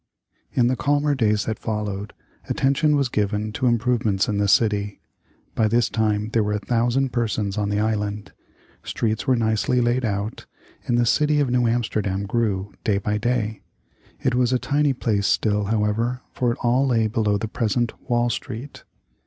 In the calmer days that followed, attention was given to improvements in the city. By this time there were a thousand persons on the island. Streets were nicely laid out, and the city of New Amsterdam grew, day by day. It was a tiny place still, however, for it all lay below the present Wall Street.